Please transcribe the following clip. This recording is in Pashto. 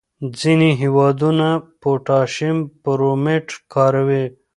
ځینې هېوادونه پوټاشیم برومیټ کاروي.